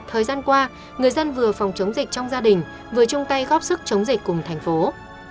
thời gian qua người dân vừa phòng chống dịch trong gia đình vừa chung tay góp sức chống dịch cùng thành phố